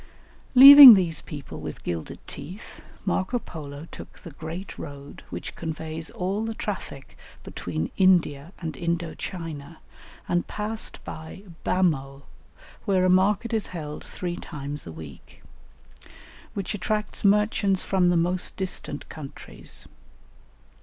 ] Leaving these people with gilded teeth, Marco Polo took the great road which conveys all the traffic between India and Indo China, and passed by Bhamo, where a market is held three times a week, which attracts merchants from the most distant countries.